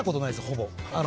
ほぼ。